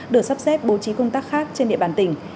được sắp xếp bố trí công tác khác trên địa bàn tỉnh